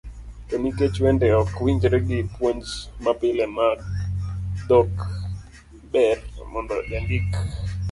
To nikech wende ok winjre gi puonj mapile mag dhok, ber mondo jandik